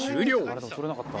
あれでも撮れなかった？